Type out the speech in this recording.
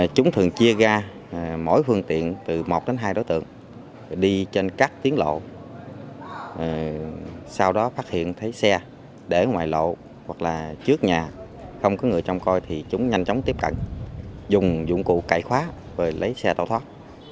chúng thường chia ga mỗi phương tiện từ một đến hai đối tượng đi trên các tiến lộ sau đó phát hiện thấy xe để ngoài lộ hoặc là trước nhà không có người trông coi thì chúng nhanh chóng tiếp cận dùng dụng cụ cải khóa rồi lấy xe tàu thoát